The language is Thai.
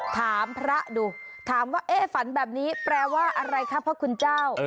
ถามพระดูถามว่าเอ๊ะฝันแบบนี้แปลว่าอะไรคะพระคุณเจ้า